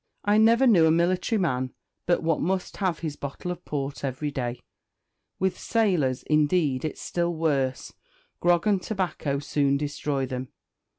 I never knew a military man but what must have his bottle of port every day. With sailors, indeed, it's still worse; grog and tobacco soon destroy them.